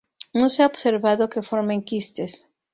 No se ha observado que formen quistes.